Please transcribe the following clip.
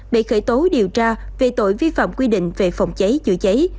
bị khởi tố điều tra về tội vi phạm quy định về phòng cháy chữa cháy